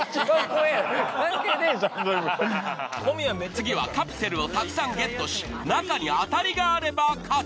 次はカプセルをたくさんゲットし中にアタリがあれば勝ち。